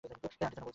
আন্টির জন্য এনেছি।